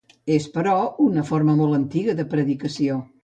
És, però, una forma molt antiga de predicació.